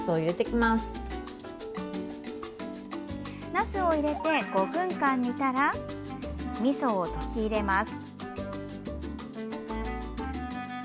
なすを入れて５分間煮たらみそを溶き入れます。